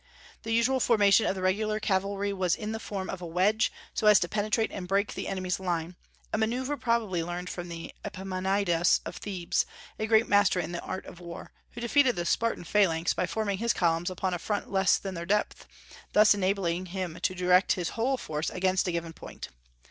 The usual formation of the regular cavalry was in the form of a wedge, so as to penetrate and break the enemy's line, a manoeuvre probably learned from Epaminondas of Thebes, a great master in the art of war, who defeated the Spartan phalanx by forming his columns upon a front less than their depth, thus enabling him to direct his whole force against a given point.